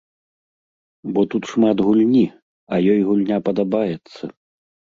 Бо тут шмат гульні, а ёй гульня падабаецца.